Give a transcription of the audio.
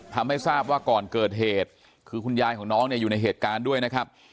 ทำให้ทราบว่าก่อนเกิดเหตุคือคุณยายของน้องเนี่ยอยู่ในเหตุการณ์ด้วยนะครับ